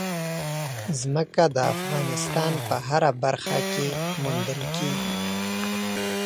ځمکه د افغانستان په هره برخه کې موندل کېږي.